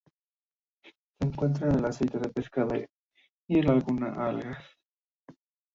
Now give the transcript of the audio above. Se encuentra en el aceite de pescado y en algunas algas.